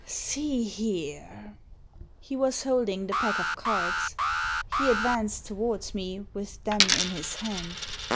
"See here." He was holding the pack of cards. He advanced towards me with them in his hand.